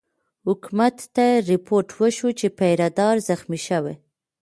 حکومت ته رپوټ وشو چې پیره دار زخمي شوی.